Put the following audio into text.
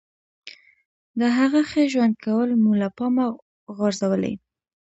د هغه ښه ژوند کول مو له پامه غورځولي.